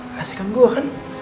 kasihkan gue kan